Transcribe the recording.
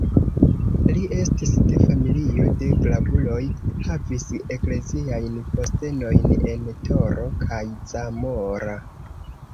Li estis de familio de gravuloj, havis ekleziajn postenojn en Toro kaj Zamora.